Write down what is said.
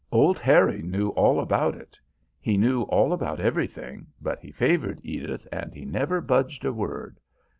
Old Harry knew all about it, he knew all about everything, but he favoured Edith and he never budged a word.